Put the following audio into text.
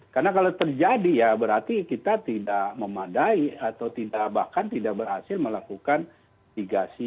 karena kalau terjadi ya berarti kita tidak memadai atau bahkan tidak berhasil melakukan mitigasi